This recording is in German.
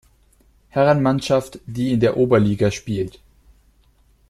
Herrenmannschaft, die in der Oberliga spielt.